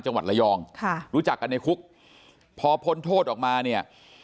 จังหวัดระยองค่ะรู้จักกันในคุกพอพ้นโทษออกมาเนี่ย